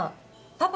パパ。